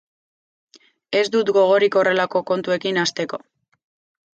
Ez dut gogorik horrelako kontuekin hasteko.